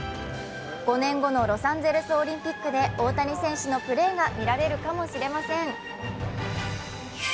５年後のロサンゼルスオリンピックで大谷選手のプレーが見られるかもしれません。